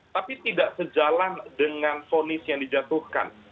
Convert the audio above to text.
tapi tidak sejalan dengan fonis yang dijatuhkan